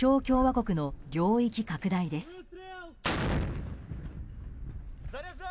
共和国の領域拡大です。